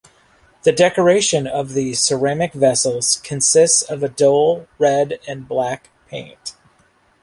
The decoration of these ceramic vessels consists of a dull red and black paint.